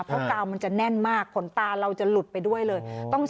เพราะกาวมันจะแน่นมากขนตาเราจะหลุดไปด้วยเลย